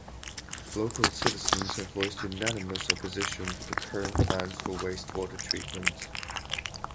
Local citizens have voiced unanimous opposition to the current plans for wastewater treatment.